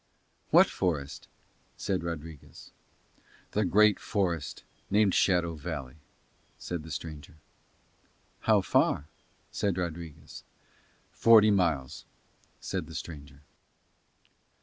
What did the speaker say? "What forest?" said Rodriguez. "The great forest named Shadow Valley," said the stranger. "How far?" said Rodriguez. "Forty miles," said the stranger.